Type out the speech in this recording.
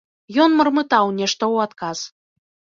Ён мармытаў нешта ў адказ.